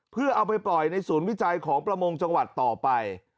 เพื่อเอาไปปล่อยในศูนย์วิจัยของประมงจังหวัดต่อไป